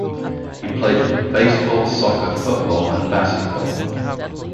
He played baseball, soccer, football, and basketball.